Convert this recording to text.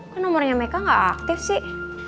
kan nomornya meka nggak aktif sih